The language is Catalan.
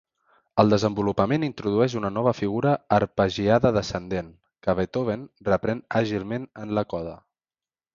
El desenvolupament introdueix una nova figura arpegiada descendent, que Beethoven reprèn àgilment en la coda.